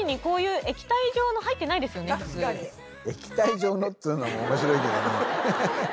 「液体状の」っつうのも面白いけどね。